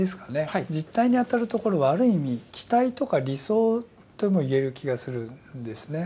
集諦に当たるところはある意味期待とか理想ともいえる気がするんですね。